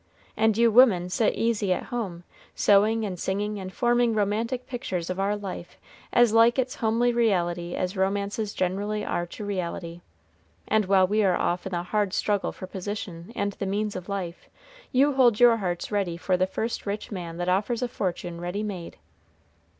"And you women sit easy at home, sewing and singing, and forming romantic pictures of our life as like its homely reality as romances generally are to reality; and while we are off in the hard struggle for position and the means of life, you hold your hearts ready for the first rich man that offers a fortune ready made."